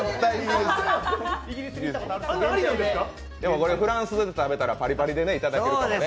これフランスで食べたらパリパリでいただけるかもね。